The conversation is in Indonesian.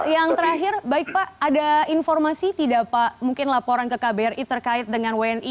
yang terakhir baik pak ada informasi tidak pak mungkin laporan ke kbri terkait dengan wni